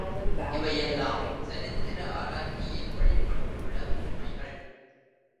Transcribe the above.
இவையெல்லாம் சரித்திர ஆராய்ச்சியில் வெளிப்பட்டுள்ள உண்மைகள்.